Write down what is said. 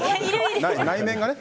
内面がね。